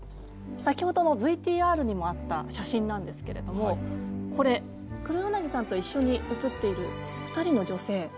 先ほどのＶＴＲにもあった写真なんですけれどもこれ黒柳さんと一緒に写っている２人の女性誰だか分かりますか？